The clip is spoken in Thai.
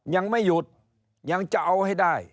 ยังไม่หยุดยังจะเอาให้ได้